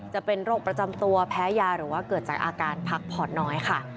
จะเป็นโรคประจำตัวแพ้ยาหรือว่าเกิดจากอาการพักผ่อนน้อยค่ะ